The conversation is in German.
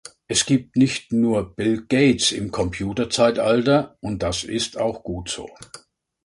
Es gibt nicht nur Bill Gates im Computerzeitalter, und das ist auch gut so.